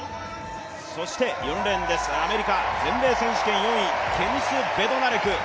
そして４レーンです、アメリカ、全米選手権２位、ケニス・ベドナレク。